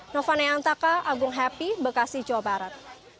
nofana yantaka agung happy bekasi jawa barat